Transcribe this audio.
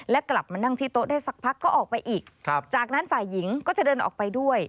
และกลับมานั่งที่โต๊ะได้สักพักก็ออกไปอีกจากนั้นฝ่ายหญิงก็จะเดินออกไปด้วย